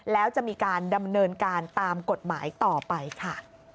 แล้วจะมีการดำเนินการตามกฎหมายต่อไปค่ะ